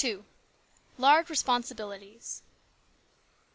LARGE RESPONSIBILITIES.